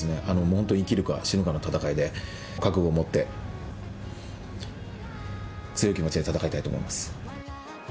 本当生きるか死ぬかの戦いで、覚悟を持って、強い気持ちで戦いたいと思います。